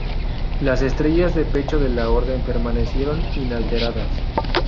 Las estrellas de pecho de la orden permanecieron inalteradas.